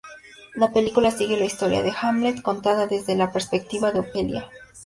La película sigue la historia de "Hamlet", contada desde la perspectiva de Ophelia.